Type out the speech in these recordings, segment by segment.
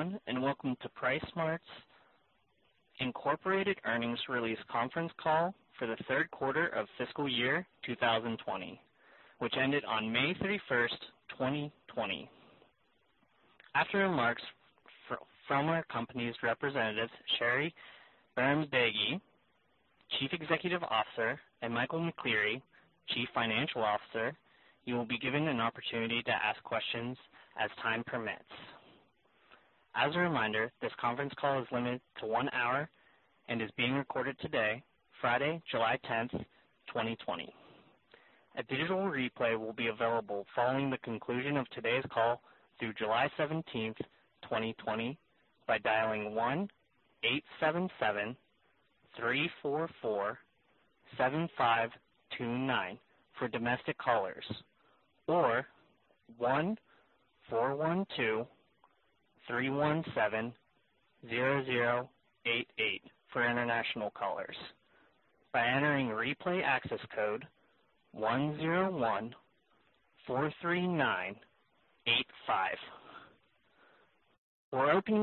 Good day, everyone, and welcome to PriceSmart, Inc.'s earnings release conference call for the third quarter of FY 2020, which ended on May 31st, 2020. After remarks from our company's representatives, Sherry Bahrambeygui, Chief Executive Officer, and Michael McCleary, Chief Financial Officer, you will be given an opportunity to ask questions as time permits. As a reminder, this conference call is limited to one hour and is being recorded today, Friday, July 10th, 2020. A digital replay will be available following the conclusion of today's call through July 17th, 2020, by dialing 1-877-344-7529 for domestic callers or 1-412-317-0088 for international callers, by entering replay access code 10143985. For opening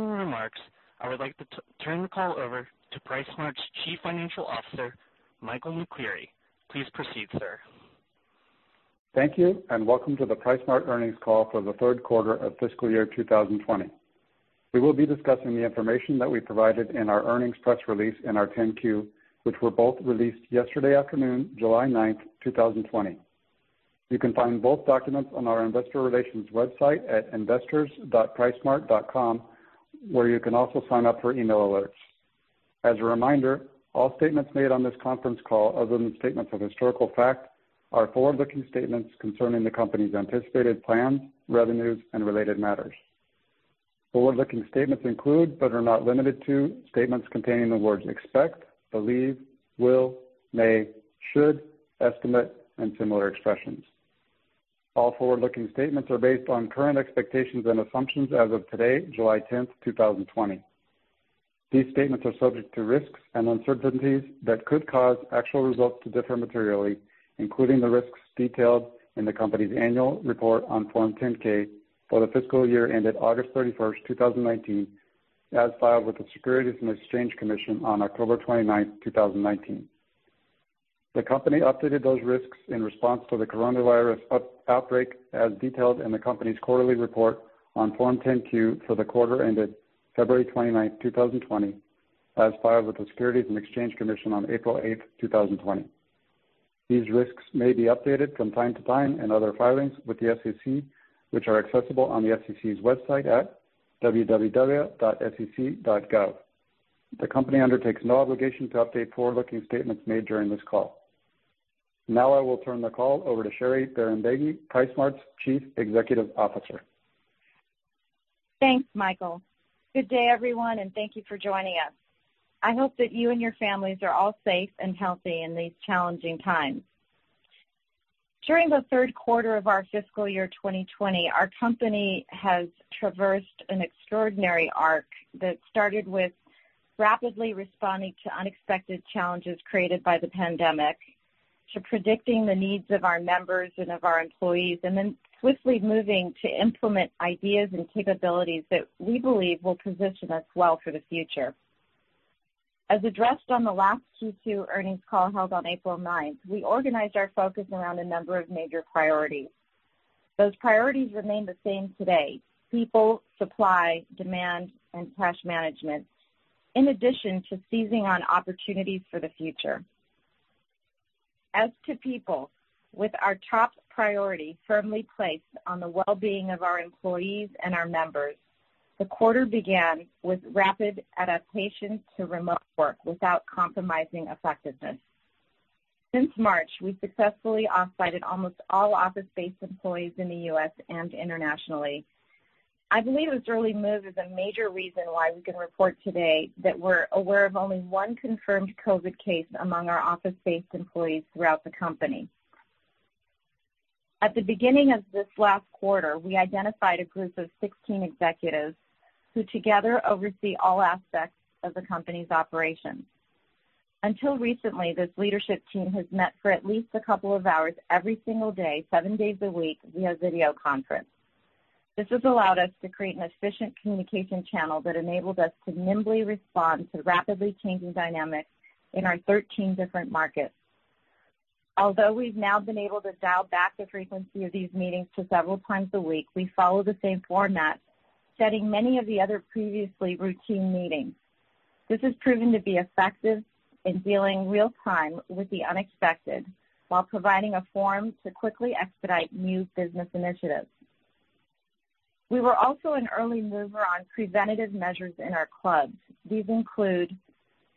remarks, I would like to turn the call over to PriceSmart's Chief Financial Officer, Michael McCleary. Please proceed, sir. Thank you, and welcome to the PriceSmart earnings call for the third quarter of fiscal year 2020. We will be discussing the information that we provided in our earnings press release and our 10-Q, which were both released yesterday afternoon, July 9th, 2020. You can find both documents on our Investor Relations website at investors.pricesmart.com, where you can also sign up for email alerts. As a reminder, all statements made on this conference call, other than statements of historical fact, are forward-looking statements concerning the company's anticipated plans, revenues, and related matters. Forward-looking statements include, but are not limited to, statements containing the words "expect," "believe," "will," "may," "should," "estimate," and similar expressions. All forward-looking statements are based on current expectations and assumptions as of today, July 10th, 2020. These statements are subject to risks and uncertainties that could cause actual results to differ materially, including the risks detailed in the company's annual report on Form 10-K for the fiscal year ended August 31st, 2019, as filed with the Securities and Exchange Commission on October 29th, 2019. The company updated those risks in response to the coronavirus outbreak, as detailed in the company's quarterly report on Form 10-Q for the quarter ended February 29th, 2020, as filed with the Securities and Exchange Commission on April 8th, 2020. These risks may be updated from time to time in other filings with the SEC, which are accessible on the SEC's website at www.sec.gov. The company undertakes no obligation to update forward-looking statements made during this call. Now, I will turn the call over to Sherry Bahrambeygui, PriceSmart's Chief Executive Officer. Thanks, Michael. Good day, everyone, and thank you for joining us. I hope that you and your families are all safe and healthy in these challenging times. During the third quarter of our fiscal year 2020, our company has traversed an extraordinary arc that started with rapidly responding to unexpected challenges created by the pandemic, to predicting the needs of our members and of our employees, and then swiftly moving to implement ideas and capabilities that we believe will position us well for the future. As addressed on the last Q2 earnings call held on April 9, we organized our focus around a number of major priorities. Those priorities remain the same today: people, supply, demand, and cash management. In addition to seizing on opportunities for the future. As to people, with our top priority firmly placed on the well-being of our employees and our members, the quarter began with rapid adaptation to remote work without compromising effectiveness. Since March, we successfully off-sited almost all office-based employees in the U.S. and internationally. I believe this early move is a major reason why we can report today that we're aware of only one confirmed COVID case among our office-based employees throughout the company. At the beginning of this last quarter, we identified a group of 16 executives who together oversee all aspects of the company's operations. Until recently, this leadership team has met for at least a couple of hours every single day, seven days a week, via video conference. This has allowed us to create an efficient communication channel that enables us to nimbly respond to rapidly changing dynamics in our 13 different markets. Although we've now been able to dial back the frequency of these meetings to several times a week, we follow the same format, setting many of the other previously routine meetings. This has proven to be effective in dealing real time with the unexpected while providing a forum to quickly expedite new business initiatives. We were also an early mover on preventative measures in our clubs. These include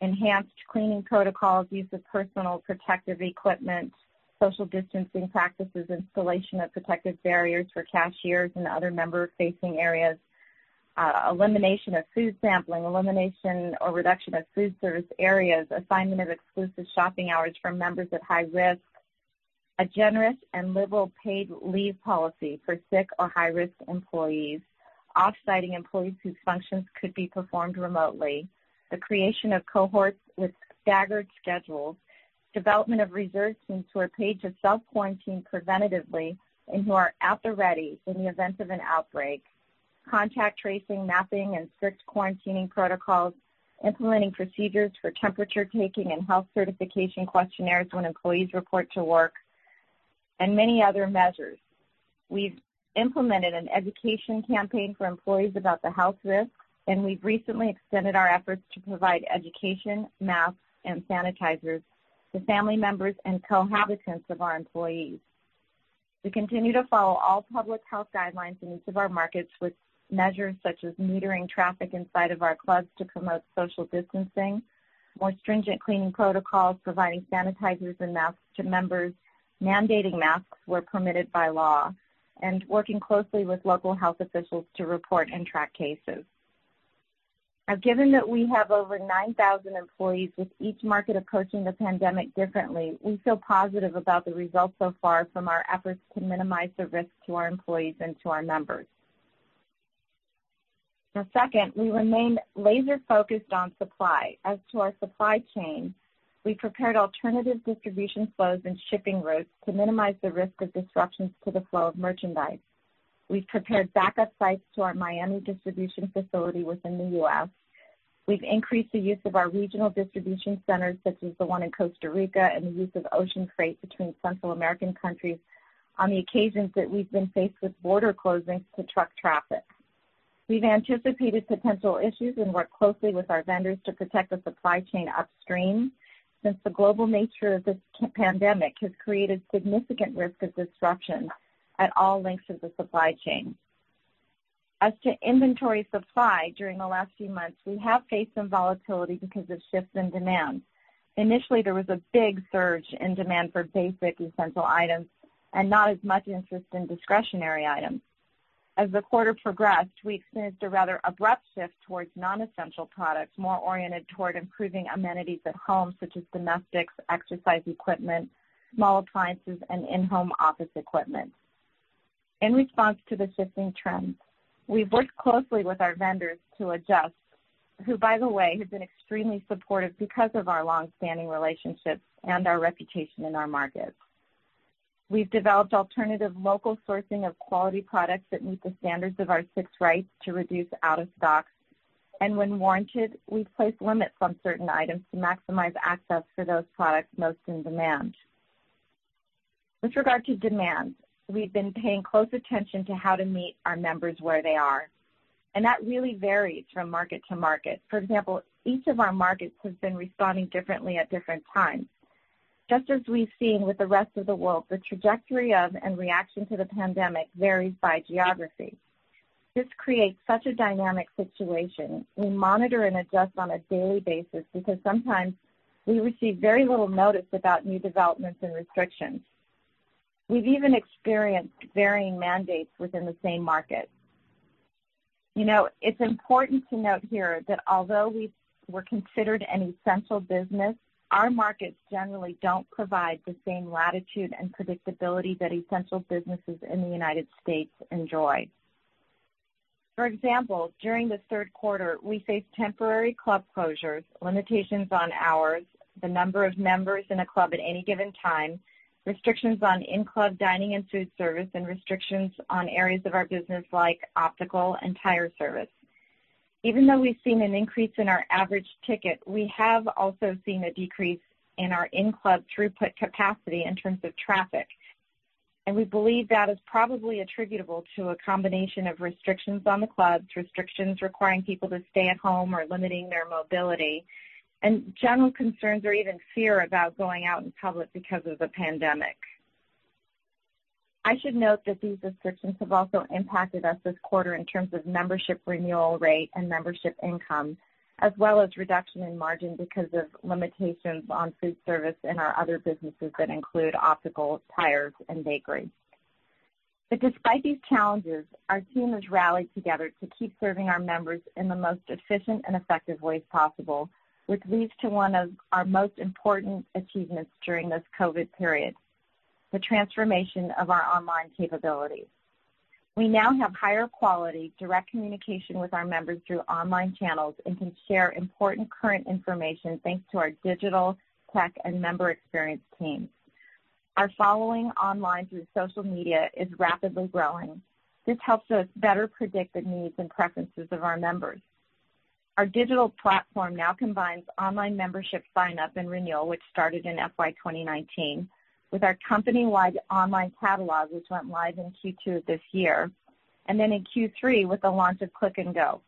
enhanced cleaning protocols, use of personal protective equipment, social distancing practices, installation of protective barriers for cashiers and other member-facing areas, elimination of food sampling, elimination or reduction of food service areas, assignment of exclusive shopping hours for members at high risk, a generous and liberal paid leave policy for sick or high-risk employees, off-siting employees whose functions could be performed remotely, the creation of cohorts with staggered schedules, development of reserve teams who are paid to self-quarantine preventatively and who are at the ready in the event of an outbreak, contact tracing, mapping, and strict quarantining protocols, implementing procedures for temperature taking and health certification questionnaires when employees report to work, and many other measures. We've implemented an education campaign for employees about the health risk, and we've recently extended our efforts to provide education, masks, and sanitizers to family members and cohabitants of our employees. We continue to follow all public health guidelines in each of our markets with measures such as metering traffic inside of our clubs to promote social distancing, more stringent cleaning protocols, providing sanitizers and masks to members, mandating masks where permitted by law, and working closely with local health officials to report and track cases. Given that we have over 9,000 employees, with each market approaching the pandemic differently, we feel positive about the results so far from our efforts to minimize the risk to our employees and to our members. Second, we remain laser-focused on supply. As to our supply chain, we prepared alternative distribution flows and shipping routes to minimize the risk of disruptions to the flow of merchandise. We've prepared backup sites to our Miami distribution facility within the U.S. We've increased the use of our regional distribution centers, such as the one in Costa Rica, and the use of ocean freight between Central American countries on the occasions that we've been faced with border closings to truck traffic. We've anticipated potential issues and worked closely with our vendors to protect the supply chain upstream since the global nature of this pandemic has created significant risk of disruption at all links of the supply chain. As to inventory supply during the last few months, we have faced some volatility because of shifts in demand. Initially, there was a big surge in demand for basic essential items and not as much interest in discretionary items. As the quarter progressed, we experienced a rather abrupt shift towards non-essential products, more oriented toward improving amenities at home, such as domestics, exercise equipment, small appliances, and in-home office equipment. In response to the shifting trends, we've worked closely with our vendors to adjust. Who, by the way, have been extremely supportive because of our long-standing relationships and our reputation in our markets. We've developed alternative local sourcing of quality products that meet the standards of our Six Rights to reduce out of stocks. When warranted, we've placed limits on certain items to maximize access for those products most in demand. With regard to demand, we've been paying close attention to how to meet our members where they are, and that really varies from market to market. For example, each of our markets has been responding differently at different times. Just as we've seen with the rest of the world, the trajectory of and reaction to the pandemic varies by geography. This creates such a dynamic situation. We monitor and adjust on a daily basis because sometimes we receive very little notice about new developments and restrictions. We've even experienced varying mandates within the same market. It's important to note here that although we were considered an essential business, our markets generally don't provide the same latitude and predictability that essential businesses in the United States enjoy. For example, during the third quarter, we faced temporary club closures, limitations on hours, the number of members in a club at any given time, restrictions on in-club dining and food service, and restrictions on areas of our business like optical and tire service. Even though we've seen an increase in our average ticket, we have also seen a decrease in our in-club throughput capacity in terms of traffic, and we believe that is probably attributable to a combination of restrictions on the clubs, restrictions requiring people to stay at home or limiting their mobility, and general concerns or even fear about going out in public because of the pandemic. I should note that these restrictions have also impacted us this quarter in terms of membership renewal rate and membership income, as well as reduction in margin because of limitations on food service in our other businesses that include optical, tires, and bakery. Despite these challenges, our team has rallied together to keep serving our members in the most efficient and effective ways possible, which leads to one of our most important achievements during this COVID period, the transformation of our online capabilities. We now have higher quality direct communication with our members through online channels and can share important current information, thanks to our digital tech and member experience teams. Our following online through social media is rapidly growing. This helps us better predict the needs and preferences of our members. Our digital platform now combines online membership sign-up and renewal, which started in FY 2019, with our company-wide online catalog, which went live in Q2 this year. In Q3 with the launch of Click & Go.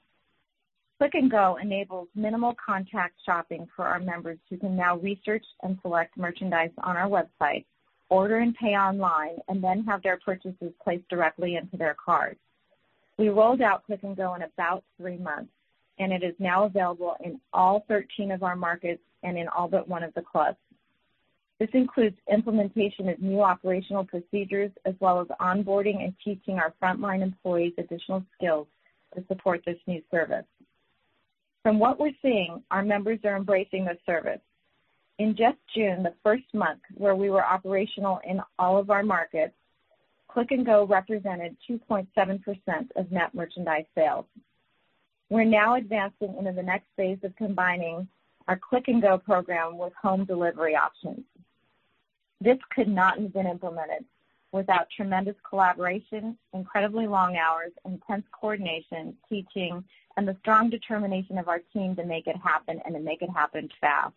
Click & Go enables minimal contact shopping for our members who can now research and select merchandise on our website, order and pay online, and then have their purchases placed directly into their cars. We rolled out Click & Go in about three months, and it is now available in all 13 of our markets and in all but one of the clubs. This includes implementation of new operational procedures as well as onboarding and teaching our frontline employees additional skills to support this new service. From what we're seeing, our members are embracing this service. In just June, the first month where we were operational in all of our markets, Click & Go represented 2.7% of net merchandise sales. We're now advancing into the next phase of combining our Click & Go program with home delivery options. This could not have been implemented without tremendous collaboration, incredibly long hours, intense coordination, teaching, and the strong determination of our team to make it happen, and to make it happen fast.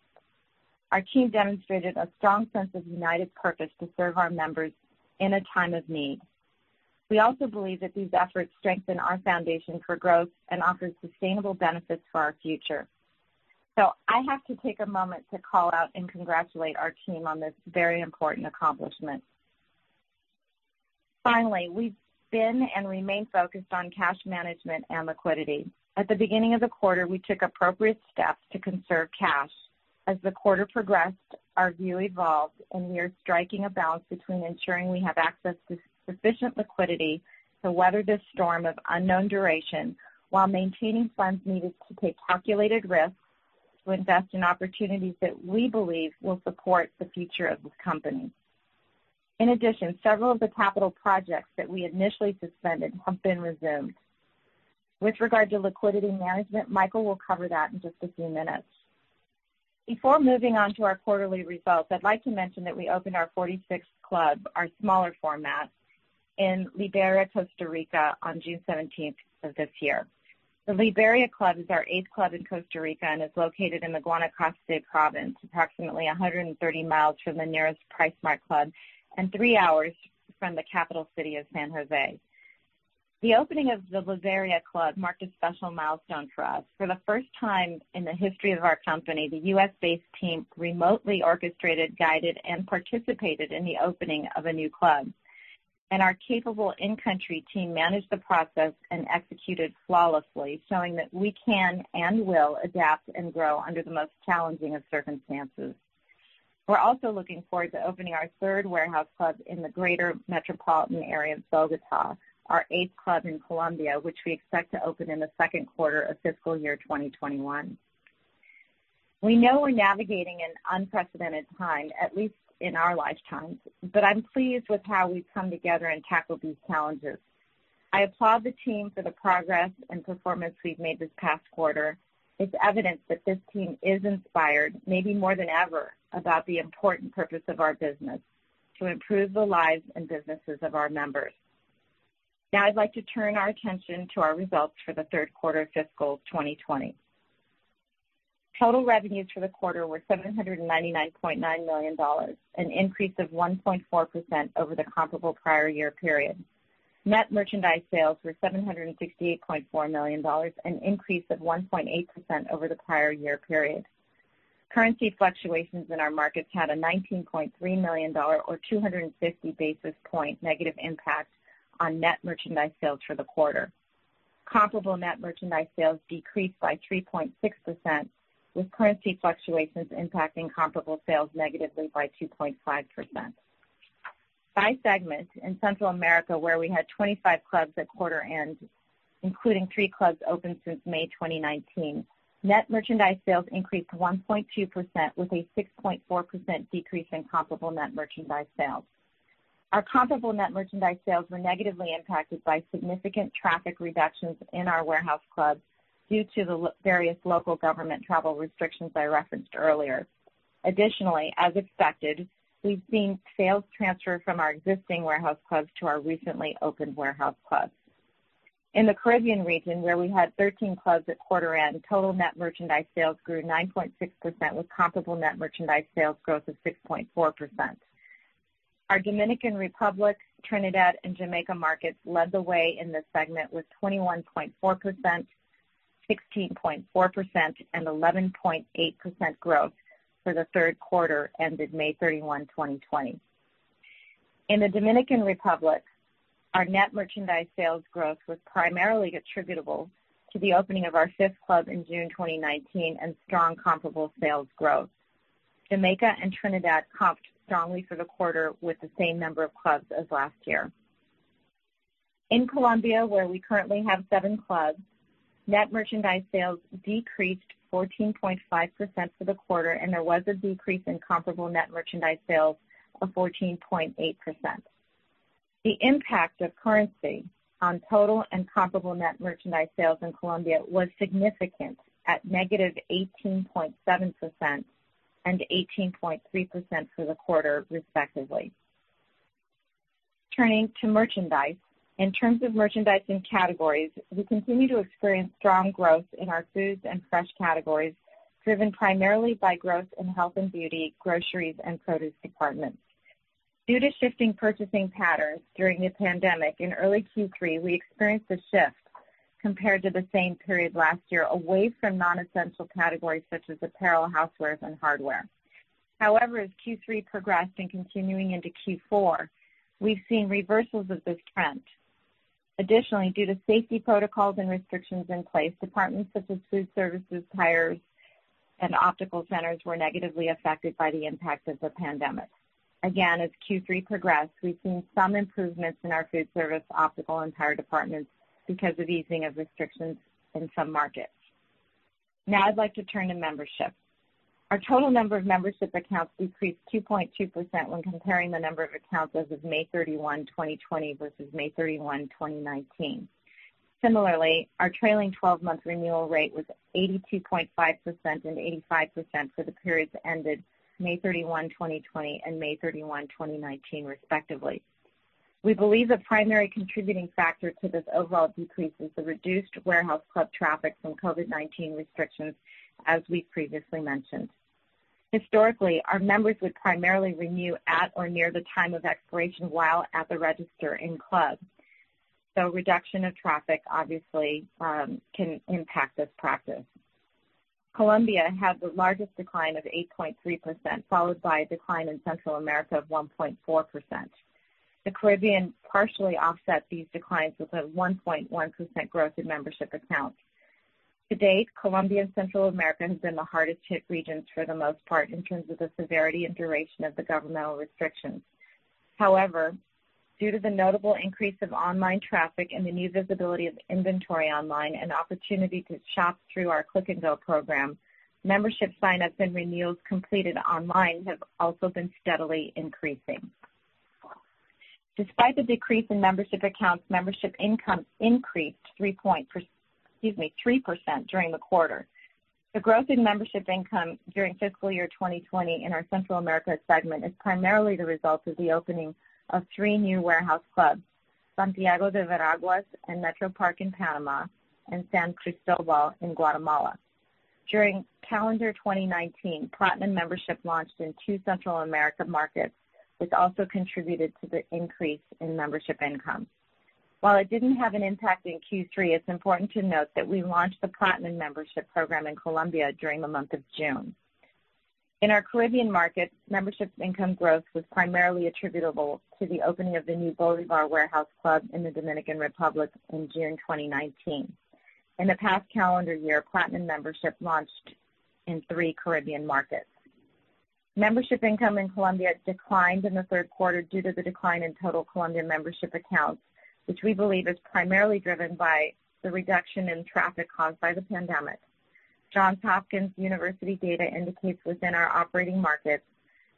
Our team demonstrated a strong sense of united purpose to serve our members in a time of need. We also believe that these efforts strengthen our foundation for growth and offers sustainable benefits for our future. I have to take a moment to call out and congratulate our team on this very important accomplishment. Finally, we've been and remain focused on cash management and liquidity. At the beginning of the quarter, we took appropriate steps to conserve cash. As the quarter progressed, our view evolved, and we are striking a balance between ensuring we have access to sufficient liquidity to weather this storm of unknown duration while maintaining funds needed to take calculated risks to invest in opportunities that we believe will support the future of the company. In addition, several of the capital projects that we initially suspended have been resumed. With regard to liquidity management, Michael will cover that in just a few minutes. Before moving on to our quarterly results, I'd like to mention that we opened our 46th club, our smaller format, in Liberia, Costa Rica on June 17th of this year. The Liberia club is our eighth club in Costa Rica and is located in the Guanacaste Province, approximately 130 mi from the nearest PriceSmart club and three hours from the capital city of San José. The opening of the Liberia club marked a special milestone for us. For the first time in the history of our company, the U.S.-based team remotely orchestrated, guided, and participated in the opening of a new club. Our capable in-country team managed the process and executed flawlessly, showing that we can and will adapt and grow under the most challenging of circumstances. We're also looking forward to opening our third warehouse club in the greater metropolitan area of Bogotá, our eighth club in Colombia, which we expect to open in the second quarter of fiscal year 2021. We know we're navigating an unprecedented time, at least in our lifetimes, but I'm pleased with how we've come together and tackled these challenges. I applaud the team for the progress and performance we've made this past quarter. It's evident that this team is inspired, maybe more than ever, about the important purpose of our business, to improve the lives and businesses of our members. Now I'd like to turn our attention to our results for the third quarter of fiscal 2020. Total revenues for the quarter were $799.9 million, an increase of 1.4% over the comparable prior year period. Net merchandise sales were $768.4 million, an increase of 1.8% over the prior year period. Currency fluctuations in our markets had a $19.3 million or 250 basis point negative impact on net merchandise sales for the quarter. Comparable net merchandise sales decreased by 3.6%, with currency fluctuations impacting comparable sales negatively by 2.5%. By segment, in Central America where we had 25 clubs at quarter end, including three clubs opened since May 2019, net merchandise sales increased 1.2%, with a 6.4% decrease in comparable net merchandise sales. Our comparable net merchandise sales were negatively impacted by significant traffic reductions in our warehouse clubs due to the various local government travel restrictions I referenced earlier. Additionally, as expected, we've seen sales transfer from our existing warehouse clubs to our recently opened warehouse clubs. In the Caribbean region, where we had 13 clubs at quarter end, total net merchandise sales grew 9.6%, with comparable net merchandise sales growth of 6.4%. Our Dominican Republic, Trinidad, and Jamaica markets led the way in this segment with 21.4%, 16.4%, and 11.8% growth for the third quarter ended May 31, 2020. In the Dominican Republic, our net merchandise sales growth was primarily attributable to the opening of our fifth club in June 2019 and strong comparable sales growth. Jamaica and Trinidad comped strongly for the quarter with the same number of clubs as last year. In Colombia, where we currently have seven clubs, net merchandise sales decreased 14.5% for the quarter, and there was a decrease in comparable net merchandise sales of 14.8%. The impact of currency on total and comparable net merchandise sales in Colombia was significant at negative 18.7% and 18.3% for the quarter, respectively. Turning to merchandise. In terms of merchandise and categories, we continue to experience strong growth in our foods and fresh categories, driven primarily by growth in health and beauty, groceries, and produce departments. Due to shifting purchasing patterns during the pandemic, in early Q3, we experienced a shift compared to the same period last year away from non-essential categories such as apparel, housewares, and hardware. As Q3 progressed and continuing into Q4, we've seen reversals of this trend. Due to safety protocols and restrictions in place, departments such as food services, tires, and optical centers were negatively affected by the impact of the pandemic. As Q3 progressed, we've seen some improvements in our food service, optical, and tire departments because of easing of restrictions in some markets. I'd like to turn to membership. Our total number of membership accounts decreased 2.2% when comparing the number of accounts as of May 31, 2020, versus May 31, 2019. Similarly, our trailing 12-month renewal rate was 82.5% and 85% for the periods that ended May 31, 2020, and May 31, 2019, respectively. We believe the primary contributing factor to this overall decrease is the reduced warehouse club traffic from COVID-19 restrictions, as we previously mentioned. Historically, our members would primarily renew at or near the time of expiration while at the register in club. Reduction of traffic obviously can impact this practice. Colombia had the largest decline of 8.3%, followed by a decline in Central America of 1.4%. The Caribbean partially offset these declines with a 1.1% growth in membership accounts. To date, Colombia and Central America have been the hardest hit regions for the most part in terms of the severity and duration of the governmental restrictions. Due to the notable increase of online traffic and the new visibility of inventory online and opportunity to shop through our Click & Go program, membership sign-ups and renewals completed online have also been steadily increasing. Despite the decrease in membership accounts, membership income increased 3% during the quarter. The growth in membership income during fiscal year 2020 in our Central America segment is primarily the result of the opening of three new warehouse clubs, Santiago de Veraguas and Metropark in Panama, and San Cristóbal in Guatemala. During calendar 2019, Platinum Membership launched in two Central America markets, which also contributed to the increase in membership income. While it didn't have an impact in Q3, it's important to note that we launched the Platinum Membership program in Colombia during the month of June. In our Caribbean markets, membership income growth was primarily attributable to the opening of the new Bolívar warehouse club in the Dominican Republic in June 2019. In the past calendar year, Platinum Membership launched in three Caribbean markets. Membership income in Colombia declined in the third quarter due to the decline in total Colombian membership accounts, which we believe is primarily driven by the reduction in traffic caused by the pandemic. Johns Hopkins University data indicates within our operating markets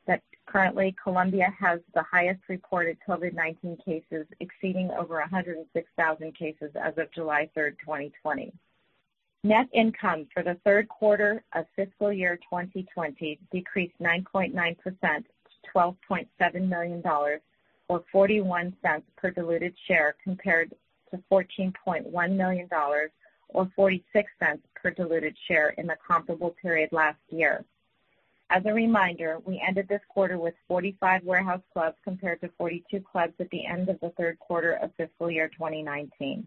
that currently Colombia has the highest reported COVID-19 cases, exceeding over 106,000 cases as of July 3rd, 2020. Net income for the third quarter of fiscal year 2020 decreased 9.9% to $12.7 million, or $0.41 per diluted share compared to $14.1 million or $0.46 per diluted share in the comparable period last year. As a reminder, we ended this quarter with 45 warehouse clubs compared to 42 clubs at the end of the third quarter of fiscal year 2019.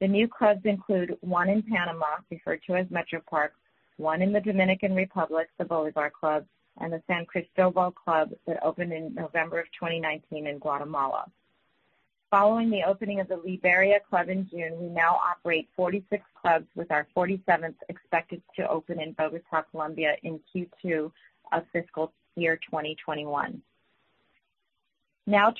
The new clubs include one in Panama, referred to as Metropark, one in the Dominican Republic, the Bolívar club, and the San Cristóbal club that opened in November of 2019 in Guatemala. Following the opening of the Liberia club in June, we now operate 46 clubs, with our 47th expected to open in Bogotá, Colombia, in Q2 of fiscal year 2021.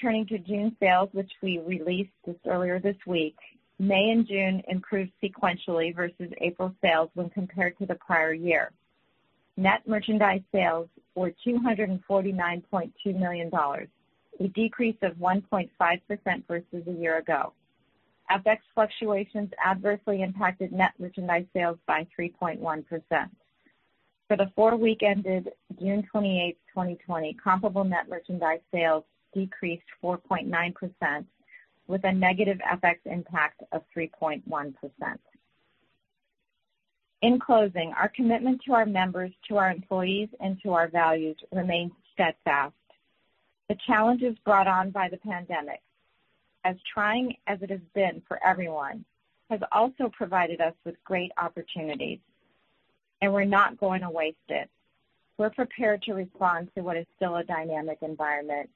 Turning to June sales, which we released just earlier this week. May and June improved sequentially versus April sales when compared to the prior year. Net merchandise sales were $249.2 million, a decrease of 1.5% versus a year ago. FX fluctuations adversely impacted net merchandise sales by 3.1%. For the four-week ended June 28th, 2020, comparable net merchandise sales decreased 4.9%, with a negative FX impact of 3.1%. In closing, our commitment to our members, to our employees, and to our values remains steadfast. The challenges brought on by the pandemic, as trying as it has been for everyone, has also provided us with great opportunities, and we're not going to waste it. We're prepared to respond to what is still a dynamic environment.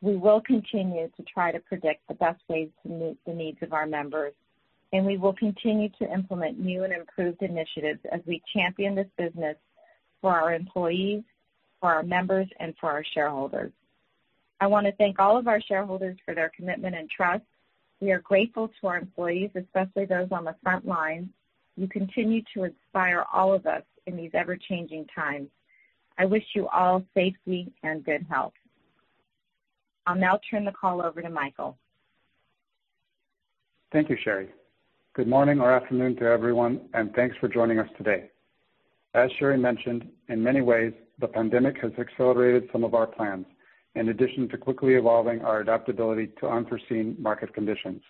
We will continue to try to predict the best ways to meet the needs of our members, and we will continue to implement new and improved initiatives as we champion this business for our employees, for our members, and for our shareholders. I want to thank all of our shareholders for their commitment and trust. We are grateful to our employees, especially those on the front lines. You continue to inspire all of us in these ever-changing times. I wish you all safety and good health. I'll now turn the call over to Michael. Thank you, Sherry. Good morning or afternoon to everyone, thanks for joining us today. As Sherry mentioned, in many ways, the pandemic has accelerated some of our plans, in addition to quickly evolving our adaptability to unforeseen market conditions.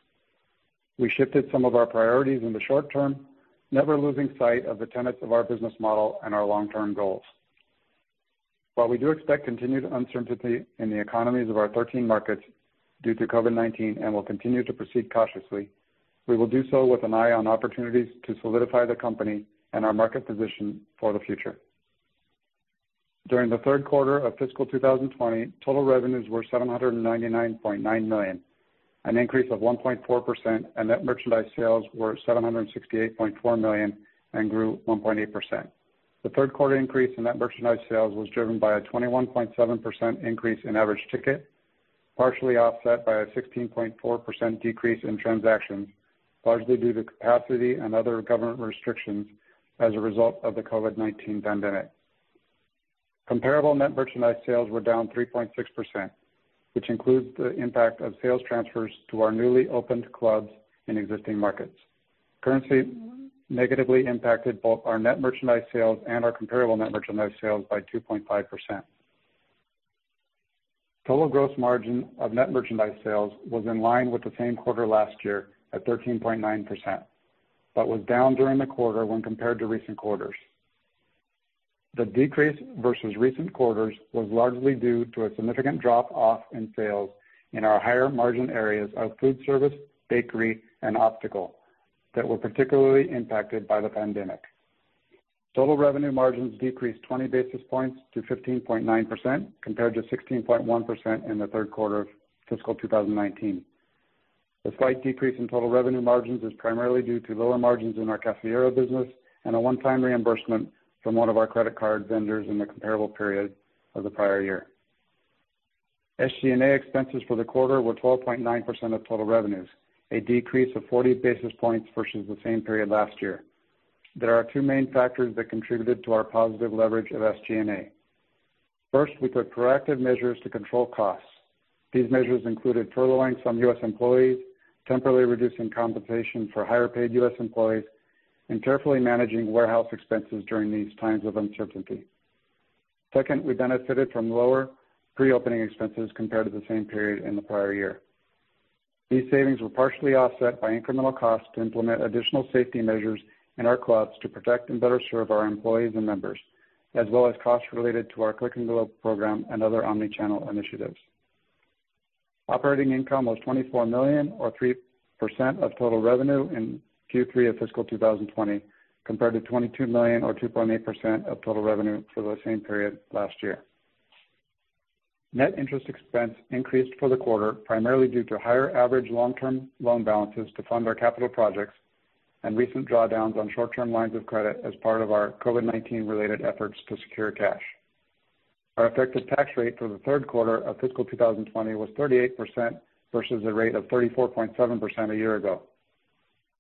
We shifted some of our priorities in the short term, never losing sight of the tenets of our business model and our long-term goals. While we do expect continued uncertainty in the economies of our 13 markets due to COVID-19 and will continue to proceed cautiously, we will do so with an eye on opportunities to solidify the company and our market position for the future. During the third quarter of fiscal 2020, total revenues were $799.9 million, an increase of 1.4%, net merchandise sales were $768.4 million and grew 1.8%. The third quarter increase in net merchandise sales was driven by a 21.7% increase in average ticket. Partially offset by a 16.4% decrease in transactions, largely due to capacity and other government restrictions as a result of the COVID-19 pandemic. Comparable net merchandise sales were down 3.6%, which includes the impact of sales transfers to our newly opened clubs in existing markets. Currency negatively impacted both our net merchandise sales and our comparable net merchandise sales by 2.5%. Total gross margin of net merchandise sales was in line with the same quarter last year at 13.9%, but was down during the quarter when compared to recent quarters. The decrease versus recent quarters was largely due to a significant drop-off in sales in our higher margin areas of food service, bakery, and optical that were particularly impacted by the pandemic. Total revenue margins decreased 20 basis points to 15.9%, compared to 16.1% in the third quarter of fiscal 2019. The slight decrease in total revenue margins is primarily due to lower margins in our Cafeteria business and a one-time reimbursement from one of our credit card vendors in the comparable period of the prior year. SG&A expenses for the quarter were 12.9% of total revenues, a decrease of 40 basis points versus the same period last year. There are two main factors that contributed to our positive leverage of SG&A. First, we took proactive measures to control costs. These measures included furloughing some U.S. employees, temporarily reducing compensation for higher-paid U.S. employees, and carefully managing warehouse expenses during these times of uncertainty. Second, we benefited from lower pre-opening expenses compared to the same period in the prior year. These savings were partially offset by incremental costs to implement additional safety measures in our clubs to protect and better serve our employees and members, as well as costs related to our Click & Go program and other omni-channel initiatives. Operating income was $24 million, or 3% of total revenue in Q3 of fiscal 2020, compared to $22 million or 2.8% of total revenue for the same period last year. Net interest expense increased for the quarter, primarily due to higher average long-term loan balances to fund our capital projects and recent drawdowns on short-term lines of credit as part of our COVID-19 related efforts to secure cash. Our effective tax rate for the third quarter of fiscal 2020 was 38%, versus a rate of 34.7% a year ago.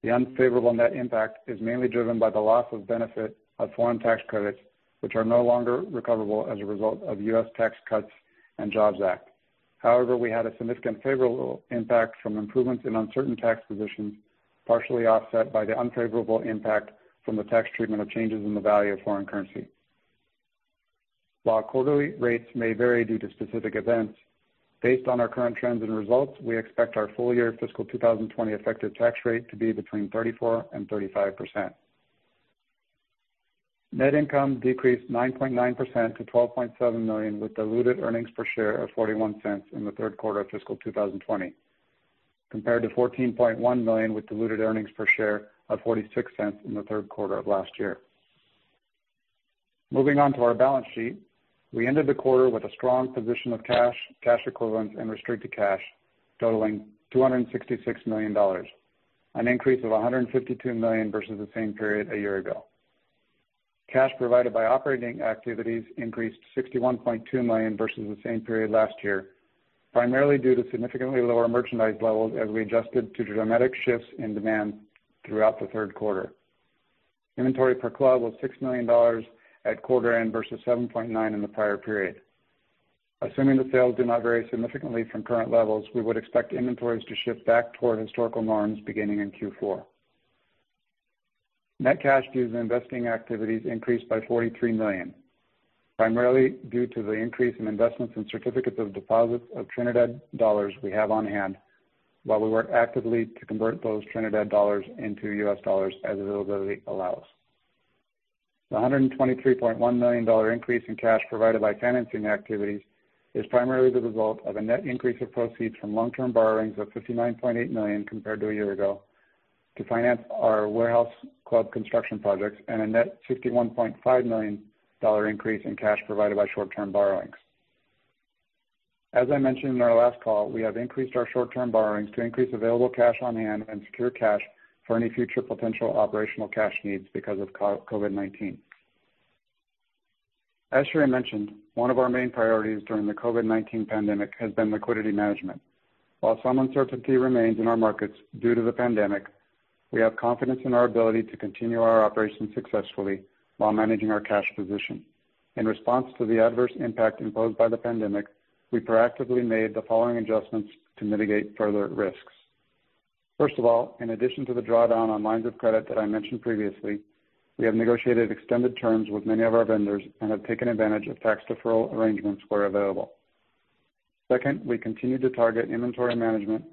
The unfavorable net impact is mainly driven by the loss of benefit of foreign tax credits, which are no longer recoverable as a result of U.S. Tax Cuts and Jobs Act. However, we had a significant favorable impact from improvements in uncertain tax positions, partially offset by the unfavorable impact from the tax treatment of changes in the value of foreign currency. While quarterly rates may vary due to specific events, based on our current trends and results, we expect our full-year fiscal 2020 effective tax rate to be between 34% and 35%. Net income decreased 9.9% to $12.7 million with diluted earnings per share of $0.41 in the third quarter of fiscal 2020, compared to $14.1 million with diluted earnings per share of $0.46 in the third quarter of last year. Moving on to our balance sheet. We ended the quarter with a strong position of cash equivalents, and restricted cash totaling $266 million, an increase of $152 million versus the same period a year ago. Cash provided by operating activities increased to $61.2 million versus the same period last year, primarily due to significantly lower merchandise levels as we adjusted to dramatic shifts in demand throughout the third quarter. Inventory per club was $6 million at quarter end versus $7.9 million in the prior period. Assuming that sales do not vary significantly from current levels, we would expect inventories to shift back toward historical norms beginning in Q4. Net cash used in investing activities increased by $43 million, primarily due to the increase in investments in certificates of deposits of Trinidad dollars we have on hand, while we work actively to convert those Trinidad dollars into U.S. dollars as availability allows. The $123.1 million increase in cash provided by financing activities is primarily the result of a net increase of proceeds from long-term borrowings of $59.8 million compared to a year ago to finance our warehouse club construction projects and a net $61.5 million increase in cash provided by short-term borrowings. As I mentioned in our last call, we have increased our short-term borrowings to increase available cash on hand and secure cash for any future potential operational cash needs because of COVID-19. As Sherry mentioned, one of our main priorities during the COVID-19 pandemic has been liquidity management. While some uncertainty remains in our markets due to the pandemic, we have confidence in our ability to continue our operations successfully while managing our cash position. In response to the adverse impact imposed by the pandemic, we proactively made the following adjustments to mitigate further risks. First of all, in addition to the drawdown on lines of credit that I mentioned previously, we have negotiated extended terms with many of our vendors and have taken advantage of tax deferral arrangements where available. Second, we continue to target inventory management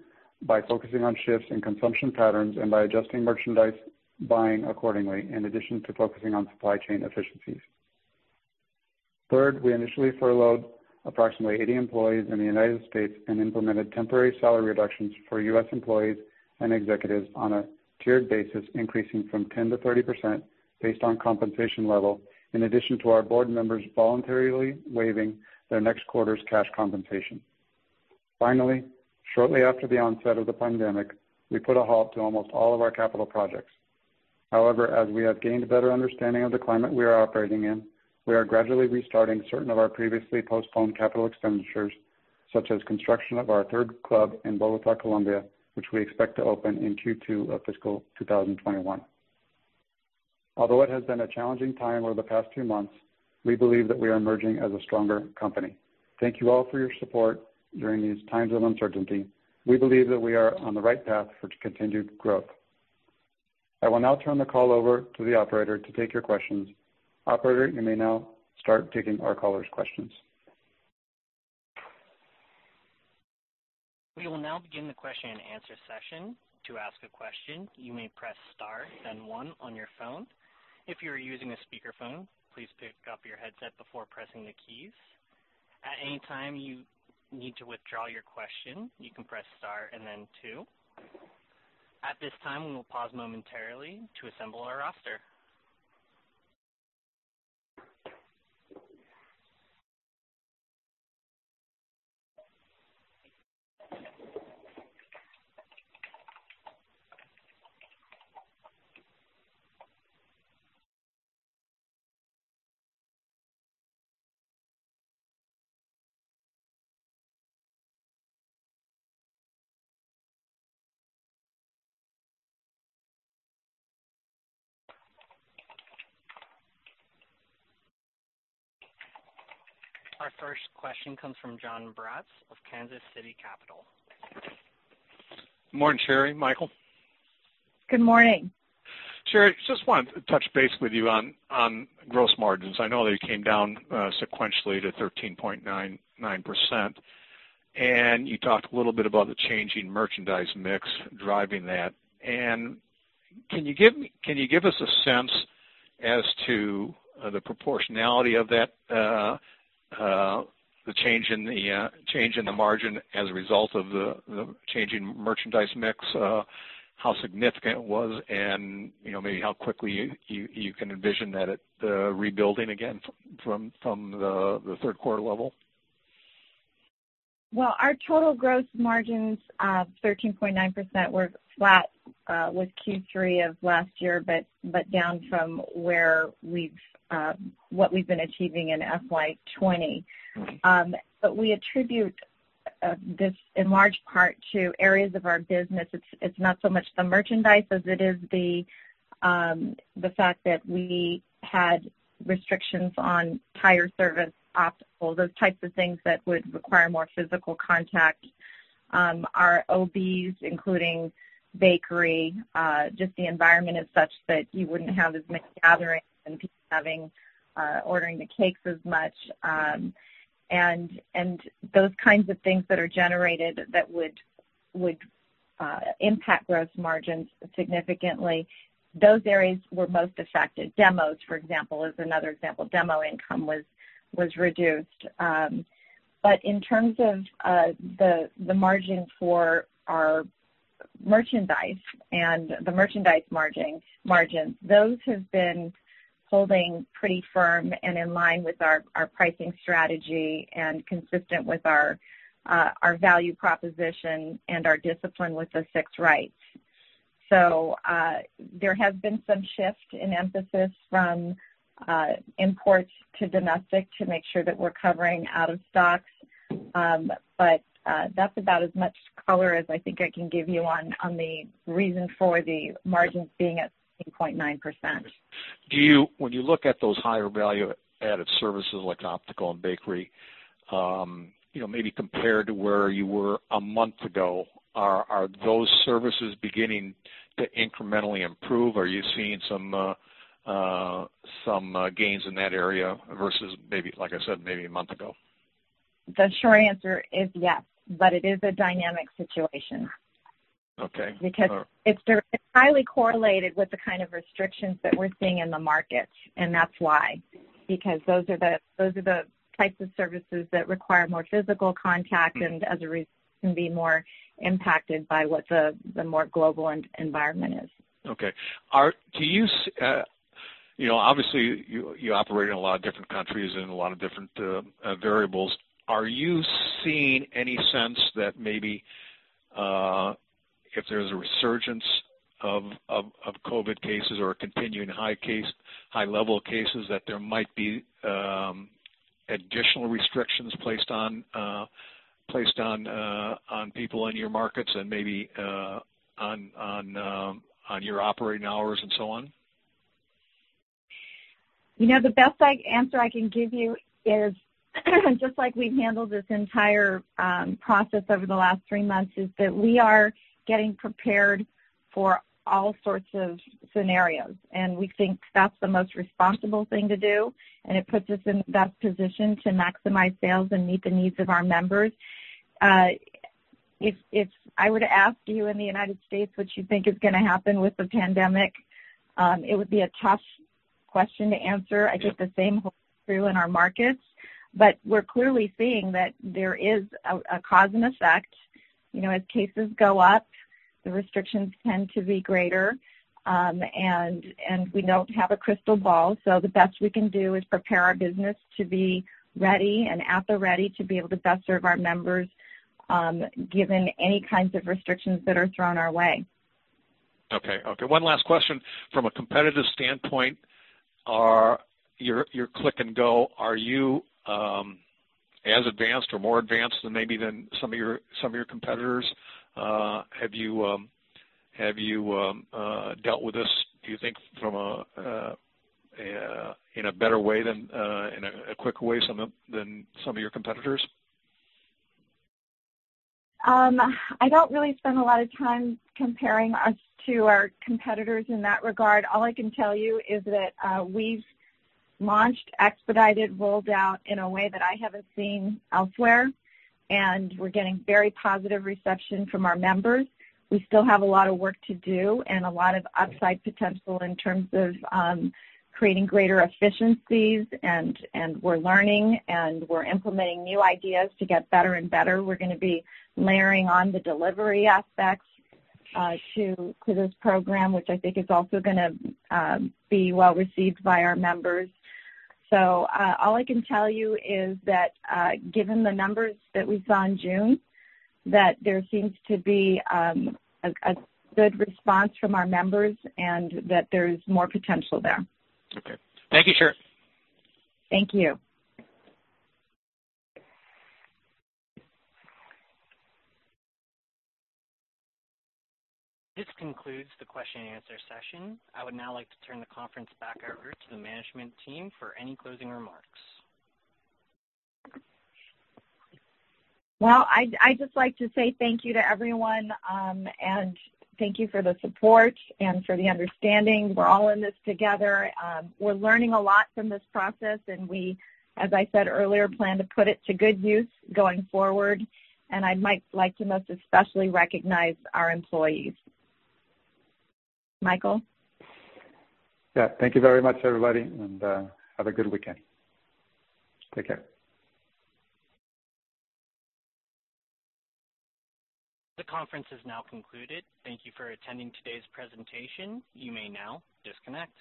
by focusing on shifts in consumption patterns and by adjusting merchandise buying accordingly in addition to focusing on supply chain efficiencies. Third, we initially furloughed approximately 80 employees in the United States and implemented temporary salary reductions for U.S. employees and executives on a tiered basis, increasing from 10% to 30% based on compensation level, in addition to our board members voluntarily waiving their next quarter's cash compensation. Finally, shortly after the onset of the pandemic, we put a halt to almost all of our capital projects. However, as we have gained a better understanding of the climate we are operating in, we are gradually restarting certain of our previously postponed capital expenditures, such as construction of our third club in Bogotá, Colombia, which we expect to open in Q2 of fiscal 2021. Although it has been a challenging time over the past few months, we believe that we are emerging as a stronger company. Thank you all for your support during these times of uncertainty. We believe that we are on the right path for continued growth. I will now turn the call over to the operator to take your questions. Operator, you may now start taking our callers' questions. We will now begin the question and answer session. To ask a question, you may press star then one on your phone. If you are using a speakerphone, please pick up your headset before pressing the keys. At any time you need to withdraw your question, you can press star and then two. At this time, we will pause momentarily to assemble our roster. Our first question comes from Jon Braatz of Kansas City Capital. Morning, Sherry, Michael. Good morning. Sherry, just wanted to touch base with you on gross margins. I know they came down sequentially to 13.9%, and you talked a little bit about the changing merchandise mix driving that. Can you give us a sense as to the proportionality of that, the change in the margin as a result of the changing merchandise mix, how significant it was, and maybe how quickly you can envision that it rebuilding again from the third quarter level? Well, our total gross margins of 13.9% were flat with Q3 of last year, but down from what we've been achieving in FY 2020. We attribute this in large part to areas of our business. It's not so much the merchandise as it is the fact that we had restrictions on tire service, optical, those types of things that would require more physical contact. Our OBs, including bakery, just the environment is such that you wouldn't have as many gatherings and people ordering the cakes as much, and those kinds of things that are generated that would impact gross margins significantly. Those areas were most affected. Demos, for example, is another example. Demo income was reduced. In terms of the margin for our merchandise and the merchandise margins, those have been holding pretty firm and in line with our pricing strategy and consistent with our value proposition and our discipline with the Six Rights. There has been some shift in emphasis from imports to domestic to make sure that we're covering out-of-stocks. That's about as much color as I think I can give you on the reason for the margins being at 13.9%. When you look at those higher value-added services like optical and bakery, maybe compared to where you were a month ago, are those services beginning to incrementally improve? Are you seeing some gains in that area versus maybe, like I said, maybe a month ago? The short answer is yes, but it is a dynamic situation. Okay. All right. It's highly correlated with the kind of restrictions that we're seeing in the markets, and that's why. Those are the types of services that require more physical contact, and as a result, can be more impacted by what the more global environment is. Okay. Obviously, you operate in a lot of different countries and a lot of different variables. Are you seeing any sense that maybe, if there's a resurgence of COVID cases or a continuing high level of cases, that there might be additional restrictions placed on people in your markets and maybe on your operating hours and so on? The best answer I can give you is just like we've handled this entire process over the last three months, is that we are getting prepared for all sorts of scenarios. We think that's the most responsible thing to do, and it puts us in the best position to maximize sales and meet the needs of our members. If I were to ask you in the U.S. what you think is gonna happen with the pandemic, it would be a tough question to answer. I think the same holds true in our markets. We're clearly seeing that there is a cause and effect. As cases go up, the restrictions tend to be greater. We don't have a crystal ball, so the best we can do is prepare our business to be ready and at the ready to be able to best serve our members, given any kinds of restrictions that are thrown our way. Okay. One last question. From a competitive standpoint, your Click & Go, are you as advanced or more advanced than maybe some of your competitors? Have you dealt with this, do you think, in a better way, in a quick way than some of your competitors? I don't really spend a lot of time comparing us to our competitors in that regard. All I can tell you is that we've launched expedited rollout in a way that I haven't seen elsewhere, and we're getting very positive reception from our members. We still have a lot of work to do and a lot of upside potential in terms of creating greater efficiencies, and we're learning, and we're implementing new ideas to get better and better. We're going to be layering on the delivery aspects to this program, which I think is also going to be well-received by our members. All I can tell you is that given the numbers that we saw in June, that there seems to be a good response from our members, and that there's more potential there. Okay. Thank you, Sherry. Thank you. This concludes the question-and-answer session. I would now like to turn the conference back over to the management team for any closing remarks. Well, I'd just like to say thank you to everyone, and thank you for the support and for the understanding. We're all in this together. We're learning a lot from this process, and we, as I said earlier, plan to put it to good use going forward, and I'd like to most especially recognize our employees. Michael? Yeah. Thank you very much, everybody, and have a good weekend. Take care. The conference is now concluded. Thank you for attending today's presentation. You may now disconnect.